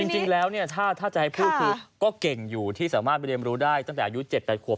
จริงแล้วถ้าจะให้พูดคือก็เก่งอยู่ที่สามารถไปเรียนรู้ได้ตั้งแต่อายุ๗๘ขวบ